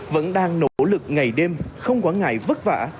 vẫn đang nỗ lực ngày đêm không quán ngại vất vả